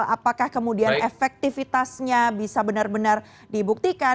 apakah kemudian efektivitasnya bisa benar benar dibuktikan